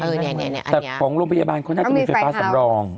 แต่ของโรงพยาบาลเขาน่าจะมีไฟฟ้าสำรอง